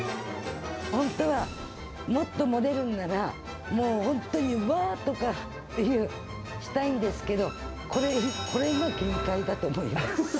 本当はもっと盛れるんなら、もう本当にわーっとかっていう、したいんですけど、これが限界だと思います。